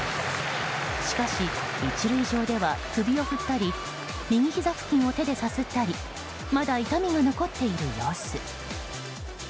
しかし１塁上では首を振ったり右ひざ付近を手でさすったりまだ痛みが残っている様子。